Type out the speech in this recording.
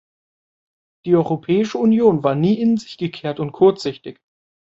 Die Europäische Union war nie in sich gekehrt und kurzsichtig.